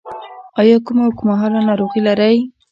ایا کومه اوږدمهاله ناروغي لرئ؟